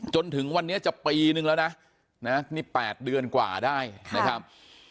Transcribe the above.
จนถึงวันนี้จะปีนึงแล้วนะนี่๘เดือนกว่าได้นะครับ